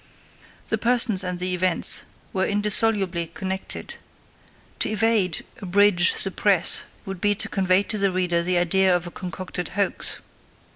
The persons and the events were indissolubly connected; to evade, abridge, suppress, would be to convey to the reader the idea of a concocted hoax.